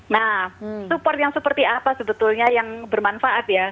nah support yang seperti apa sebetulnya yang bermanfaat ya